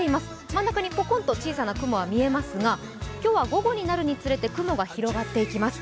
真ん中にポコンと小さな雲が見えていますが今日は午後になるにつれて雲が広がっていきます。